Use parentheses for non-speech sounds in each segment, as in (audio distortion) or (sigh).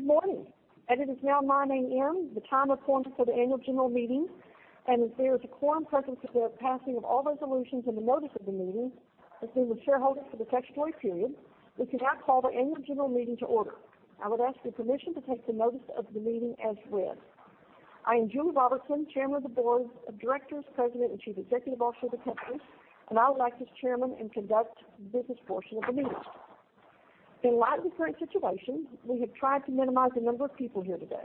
Okay. Good morning. And it is now 9:00 A.M., the time appointed for the annual general meeting. And if there is a quorum present for the passing of all resolutions and the notice of the meeting, as being the Chairman for the statutory period, we can now call the annual general meeting to order. I would ask for your permission to take the notice of the meeting as read. I am Julie Robertson, Chairman of the Board of Directors, President, and Chief Executive Officer of the Company, and I would like to, as Chairman, conduct the business portion of the meeting. In light of the current situation, we have tried to minimize the number of people here today.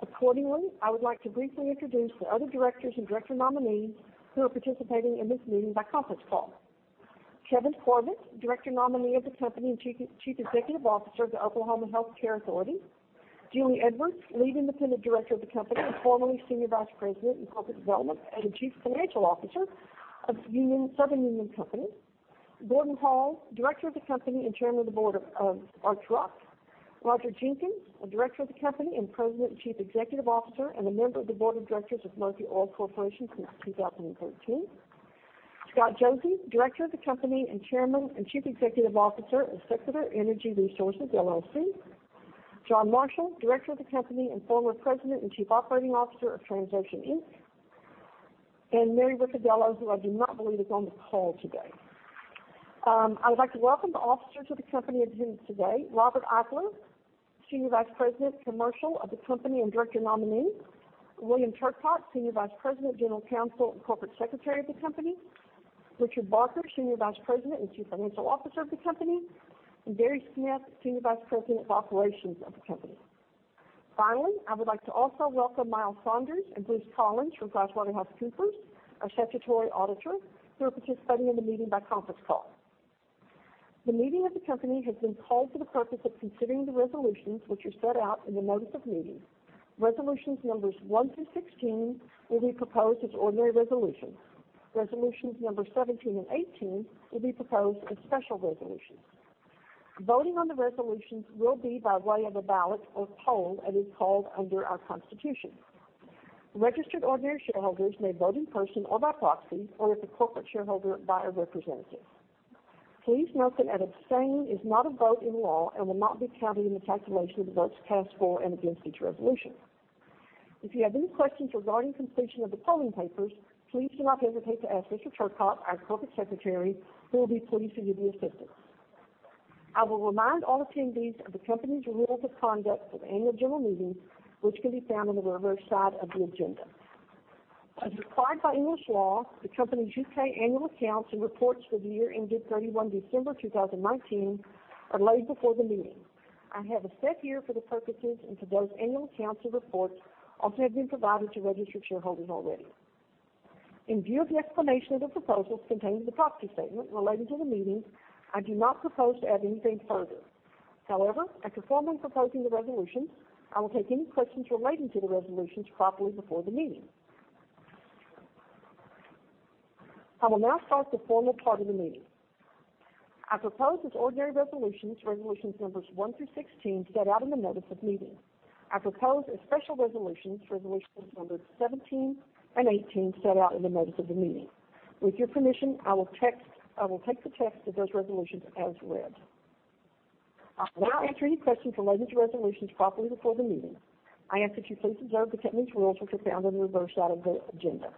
Accordingly, I would like to briefly introduce the other directors and director nominees who are participating in this meeting by conference call. Kevin Corbett, Director Nominee of the Company and Chief Executive Officer of the Oklahoma Health Care Authority. Julie Edwards, Lead Independent Director of the Company and formerly Senior Vice President in Corporate Development and Chief Financial Officer of Southern Union Company. Gordon Hall, Director of the Company and Chairman of the Board of Archrock. Roger Jenkins, a Director of the Company and President and Chief Executive Officer and a member of the Board of Directors of Murphy Oil Corporation since 2013. Scott Josey, Director of the Company and Chairman and Chief Executive Officer of Sequitur Energy Resources LLC. Jon Marshall, Director of the Company and former President and Chief Operating Officer of Transocean Inc. Mary Ricciardello, who I do not believe is on the call today. I would like to welcome the officers of the Company attending today: Robert Eifler, Senior Vice President, Commercial of the Company and Director Nominee, William Turcotte, Senior Vice President, General Counsel and Corporate Secretary of the Company, Richard Barker, Senior Vice President and Chief Financial Officer of the Company, and Gary Smith, Senior Vice President of Operations of the Company. Finally, I would like to also welcome Miles Saunders and Bruce Collins from PricewaterhouseCoopers, a statutory auditor, who are participating in the meeting by conference call. The meeting of the Company has been called for the purpose of considering the resolutions which are set out in the notice of meeting. Resolutions numbers 1 through 16 will be proposed as ordinary resolutions. Resolutions numbers 17 and 18 will be proposed as special resolutions. Voting on the resolutions will be by way of a ballot or poll as it's called under our Constitution. Registered ordinary shareholders may vote in person or by proxy or if a corporate shareholder by a representative. Please note that an abstain is not a vote in law and will not be counted in the calculation of the votes cast for and against each resolution. If you have any questions regarding completion of the polling papers, please do not hesitate to ask Mr. Turcotte, our Corporate Secretary, who will be pleased to give you assistance. I will remind all attendees of the Company's rules of conduct for the annual general meeting, which can be found on the reverse side of the agenda. As required by English law, the Company's U.K. annual accounts and reports for the year ended 31 December 2019 are laid before the meeting. The annual accounts for the year have been provided to registered shareholders already. In view of the explanation of the proposals contained in the proxy statement relating to the meeting, I do not propose to add anything further. However, after formally proposing the resolutions, I will take any questions relating to the resolutions properly before the meeting. I will now start the formal part of the meeting. I propose as ordinary resolutions, resolutions numbers one through 16 set out in the notice of meeting. I propose as special resolutions, resolutions numbers 17 and 18 set out in the notice of the meeting. With your permission, I will take the text of those resolutions as read. I will now answer any questions relating to resolutions properly before the meeting. I ask that you please observe the Company's rules which are found on the reverse side of the agenda.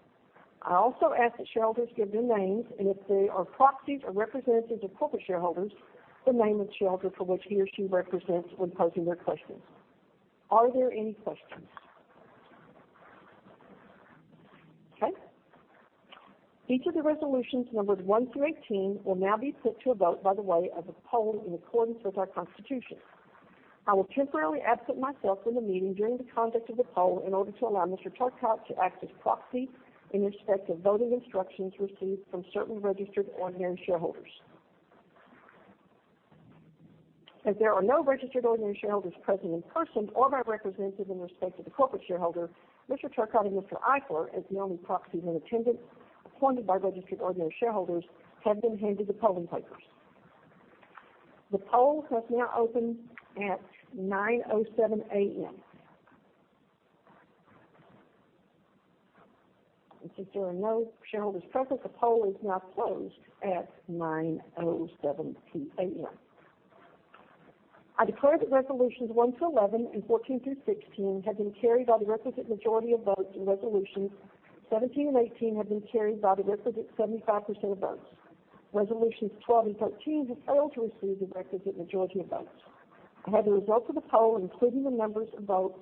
I also ask that shareholders give their names and if they are proxies or representatives of corporate shareholders, the name of the shareholder for which he or she represents when posing their questions. Are there any questions? Okay. Each of the resolutions numbers one through 18 will now be put to a vote by way of a poll in accordance with our Constitution. I will temporarily absent myself from the meeting during the conduct of the poll in order to allow Mr. Turcotte to act as proxy in respect of voting instructions received from certain registered ordinary shareholders. As there are no registered ordinary shareholders present in person or by representative in respect of the corporate shareholder, Mr. Turcotte and Mr. Eifler, as the only proxies in attendance appointed by registered ordinary shareholders, have been handed the polling papers. The poll has now opened at 9:07 A.M., and since there are no shareholders present, the poll is now closed at 9:07 A.M. I declare that resolutions 1 through 11 and 14 through 16 have been carried by the requisite majority of votes and resolutions 17 and 18 have been carried by the requisite 75% of votes. Resolutions 12 and 13 have failed to receive the requisite majority of votes. I have the results of the poll, including the numbers of votes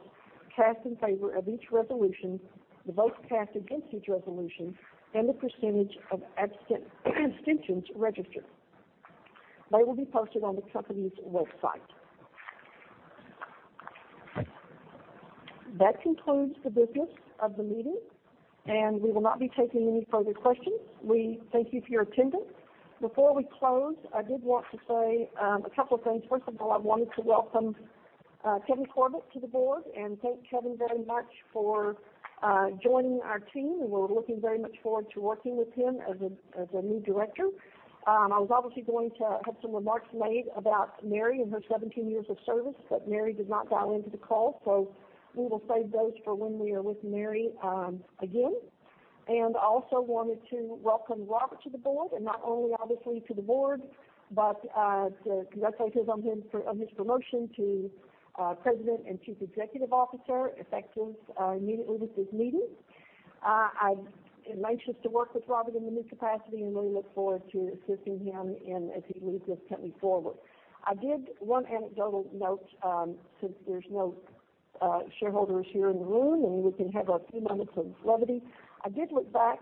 cast in favor of each resolution, the votes cast against each resolution, and the percentage of abstentions registered. They will be posted on the Company's website. That concludes the business of the meeting, and we will not be taking any further questions. We thank you for your attendance. Before we close, I did want to say a couple of things. First of all, I wanted to welcome Kevin Corbett to the board and thank Kevin very much for joining our team. We were looking very much forward to working with him as a new director. I was obviously going to have some remarks made about Mary and her 17 years of service, but Mary did not dial into the call, so we will save those for when we are with Mary again. And I also wanted to welcome Robert to the board and not only obviously to the board, but to congratulate him on his promotion to President and Chief Executive Officer effective immediately with this meeting. I am anxious to work with Robert in the new capacity and really look forward to assisting him as he leads this company forward. I did want to add a note since there are no shareholders here in the room and we can have a few moments of levity. I did look back,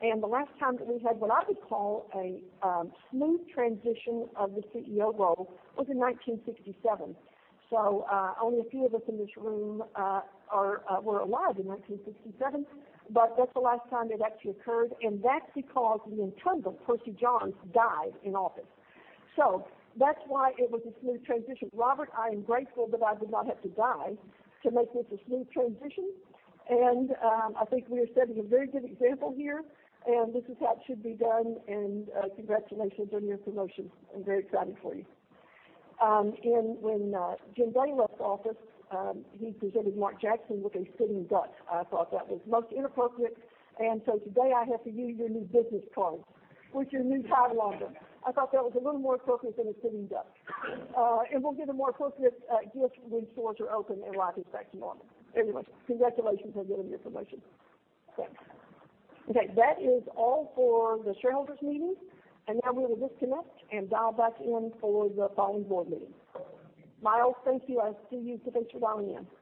and the last time that we had what I would call a smooth transition of the CEO role was in 1967. So only a few of us in this room were alive in 1967, but that's the last time it actually occurred, and that's because the, (audio distortion) Percy Johns, died in office. So that's why it was a smooth transition. Robert, I am grateful that I did not have to die to make this a smooth transition, and I think we are setting a very good example here, and this is how it should be done, and congratulations on your promotion. I'm very excited for you and when Jim Day left office, he presented Mark Jackson with a sitting duck. I thought that was most inappropriate, and so today I have for you your new business card with your new title on them. I thought that was a little more appropriate than a sitting duck. And we'll get a more appropriate gift when stores are open in light of facts and norms. Anyway, congratulations on getting your promotion. Thanks. Okay, that is all for the shareholders' meeting, and now we will disconnect and dial back in for the following board meeting. Miles, thank you. I see you. Thanks for dialing in.